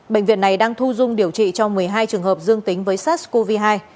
bệnh viện này đang thu dung điều trị cho một mươi hai trường hợp dương tính với sars cov hai